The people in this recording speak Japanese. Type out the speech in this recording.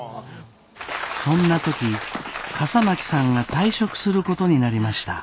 そんな時笠巻さんが退職することになりました。